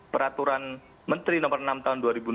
peraturan menteri nomor enam tahun